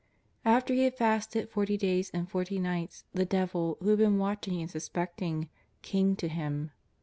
After He had fasted forty days and forty nights the devil, who had been watching and suspecting, came to Him.